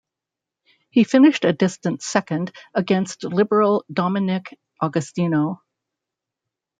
He finished a distant second against Liberal Dominic Agostino.